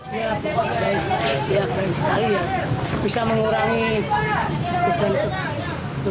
saya berpikir bahwa bisa disediakan sekali bisa mengurangi tukang ekonomi yang masalahnya kecil